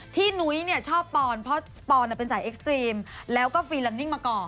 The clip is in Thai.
นุ้ยชอบปอนเพราะปอนเป็นสายเอ็กซ์ตรีมแล้วก็ฟรีลันนิ่งมาก่อน